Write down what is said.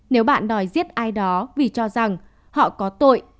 nếu bạn đòi giết ai đó vì cho rằng họ có tội